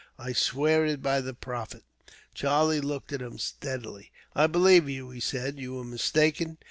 I swear it by the Prophet." Charlie looked at him steadily. "I believe you," he said. "You were mistaken.